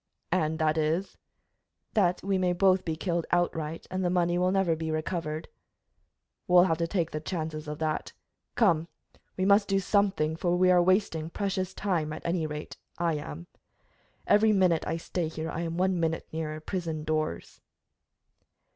"And that is?" "That we may both be killed outright, and the money will never be recovered." "We'll have to take the chances of that. Come, we must do something, for we are wasting precious time at any rate, I am. Every minute I stay here I am one minute nearer prison doors."